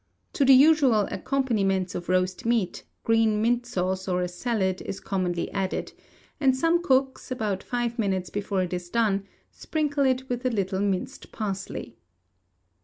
To the usual accompaniments of roast meat, green mint sauce or a salad is commonly added: and some cooks, about five minutes before it is done, sprinkle it with a little minced parsley.